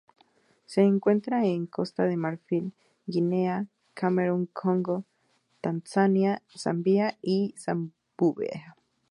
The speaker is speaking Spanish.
Se encuentra en Costa de Marfil, Guinea, Camerún, Congo, Tanzania, Zambia y Zimbabue.